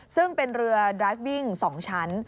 ซึ่งเป็นเรือดราฟวิ่ง๒ชั้น